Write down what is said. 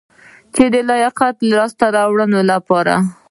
چې د قدرت لاسته راوړلو لپاره